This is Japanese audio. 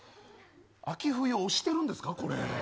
秋冬押してるんですか、これ。